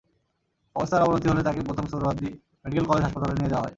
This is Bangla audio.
অবস্থার অবনতি হলে তাকে প্রথম সোহরাওয়ার্দী মেডিকেল কলেজ হাসপাতালে নিয়ে যাওয়া হয়।